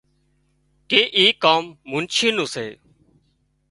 ڪي اي ڪام منڇي نُون سي